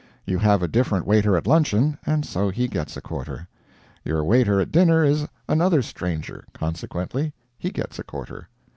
You have a different waiter at luncheon, and so he gets a quarter. Your waiter at dinner is another stranger consequently he gets a quarter.